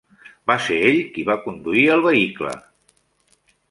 Va ser ell qui va conduir el vehicle!